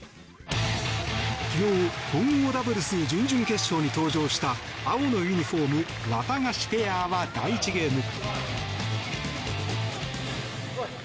昨日、混合ダブルス準々決勝に登場した青のユニホームワタガシペアは第１ゲーム。